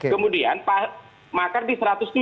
kemudian makar di satu ratus tujuh